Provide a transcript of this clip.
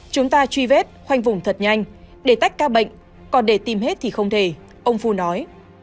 chúng ta truy vết khoanh vùng thật nhanh để tách ca bệnh còn để tìm hết thì không thể ông phu nói